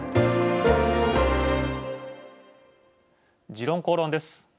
「時論公論」です。